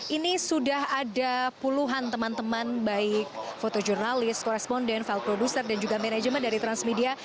ini sudah ada puluhan teman teman baik fotojurnalis koresponden file producer dan juga manajemen dari transmedia